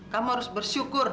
kamu harus bersyukur